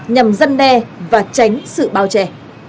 nhằm giăn đe và tránh sự bao trẻ